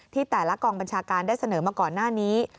ที่แต่ละกองบัญชาการได้เสนอมาก่อนหน้านี้